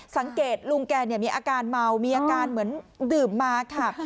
สังเกตลุงแกมีอาการเมามีอาการเหมือนดื่มมาค่ะ